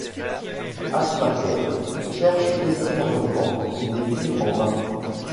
Asmaker cherche désespérément une équipe, en vain.